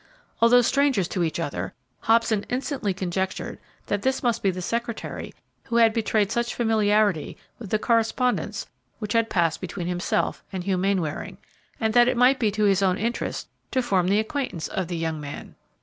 Although strangers to each other, Hobson instantly conjectured that this must be the secretary who had betrayed such familiarity with the correspondence which had passed between himself and Hugh Mainwaring, and that it might be to his own interest to form the acquaintance of the young man.